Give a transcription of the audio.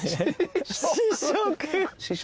試食！